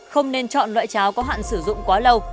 không nên chọn loại cháo có hạn sử dụng quá lâu